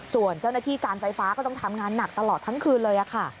ส่วนเจ้าหน้าที่การไฟฟ้าก็ต้องทำงานหนักตลอดทั้งคืนเลยค่ะ